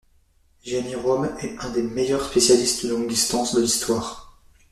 Gianni Romme est un des meilleurs spécialistes de longues distances de l'histoire.